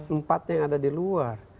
empat yang ada di luar